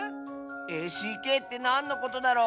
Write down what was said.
ＡＣＫってなんのことだろ？